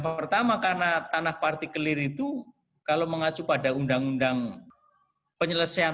pertama karena tanah partikelir itu kalau mengacu pada undang undang penyelesaian